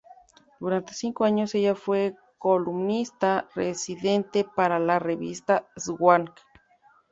Durante cinco años, ella fue columnista residente para la revista "Swank".